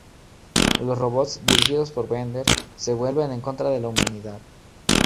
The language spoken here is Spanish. Los robots dirigidos por Bender se vuelven en contra de la humanidad.